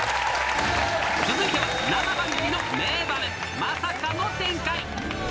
続いては生番組の名場面、まさかの展開。